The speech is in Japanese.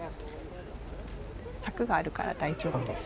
柵があるから大丈夫です。